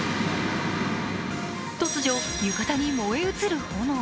突如、浴衣に燃え移る炎。